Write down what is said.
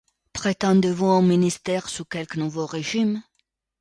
Prétendez-vous à un ministère sous quelque nouveau régime ?